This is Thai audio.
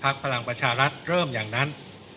ภักดิ์พระรามประชารัฐเริ่มอย่างนั้น